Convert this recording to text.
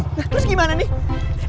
nah terus gimana nih